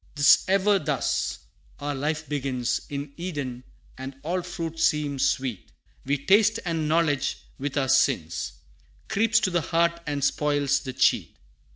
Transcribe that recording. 'Tis ever thus our life begins, In Eden, and all fruit seems sweet We taste and knowledge, with our sins, Creeps to the heart and spoils the cheat.